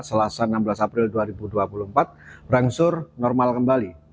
selasa enam belas april dua ribu dua puluh empat berangsur normal kembali